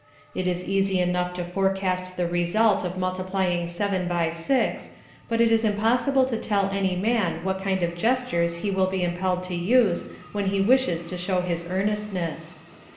It is easy enough to forecast the result of multiplying seven by six, but it is impossible to tell any man what kind of gestures he will be impelled to use when he wishes to show his earnestness.